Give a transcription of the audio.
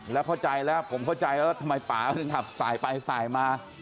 แล้วเข้าใจแล้วผมเข้าใจแล้วทำไมป่าถึงขับสายไปสายมา